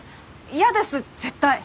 嫌です絶対！